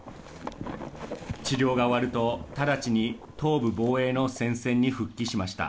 治療が終わると、直ちに東部防衛の戦線に復帰しました。